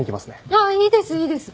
ああいいですいいです。